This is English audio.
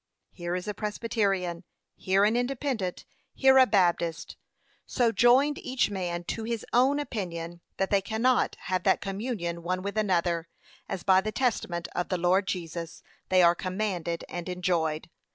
Here is a Presbyterian, here an Independent, here a Baptist, so joined each man to his own opinion, that they cannot have that communion one with another, as by the testament of the Lord Jesus they are commanded and enjoined.'